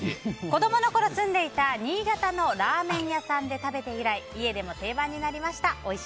子供のころ住んでいた新潟のラーメン屋さんで食べて以来家でも定番になりました。